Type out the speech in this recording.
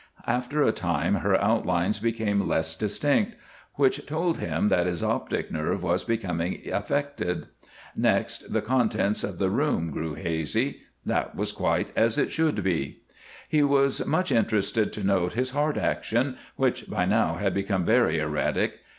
After a time her outlines became less distinct, which told him that his optic nerve was becoming affected. Next the contents of the room grew hazy. That was quite as it should be. He was much interested to note his heart action, which by now had become very erratic.